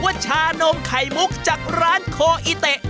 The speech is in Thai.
ว่าชานมไข่มุกจากร้านโคอิเตะ